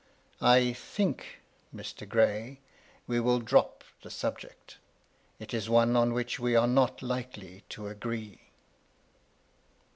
" I think, Mr. Gray, we will drop the subject. It is one on which we are not likely to agree."